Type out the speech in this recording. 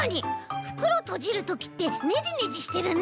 ふくろとじるときってねじねじしてるね。